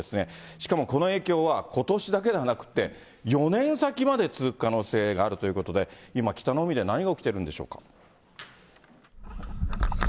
しかもこの影響は、ことしだけではなくて、４年先まで続く可能性があるということで、今、北の海で何が起きているのでしょうか。